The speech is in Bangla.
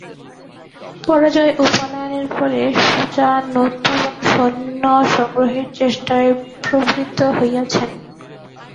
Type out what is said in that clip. পরাজয় ও পলায়নের পরে সুজা নূতন সৈন্য সংগ্রহের চেষ্টায় প্রবৃত্ত হইয়াছেন।